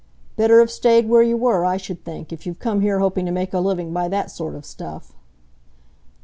"Better have stayed where you were, I should think, if you've come here hoping to make a living by that sort of stuff."